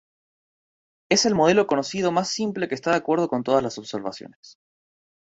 Es el modelo conocido más simple que está de acuerdo con todas las observaciones.